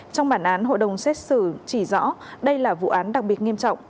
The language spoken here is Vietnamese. trong bản án hội đồng xét xử chỉ rõ đây là vụ án đặc biệt nghiêm trọng